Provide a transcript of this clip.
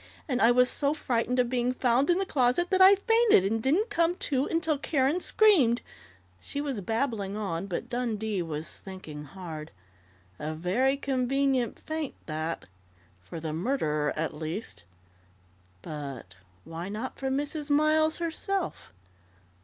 And I was so frightened of being found in the closet that I fainted, and didn't come to until Karen screamed " She was babbling on, but Dundee was thinking hard. A very convenient faint that! For the murderer, at least! But why not for Mrs. Miles herself?